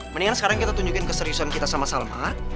mendingan sekarang kita tunjukin keseriusan kita sama sama